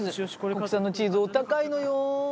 国産のチーズお高いのよ。